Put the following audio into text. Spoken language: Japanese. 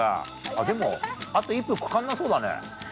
でもあと１分かかんなそうだね。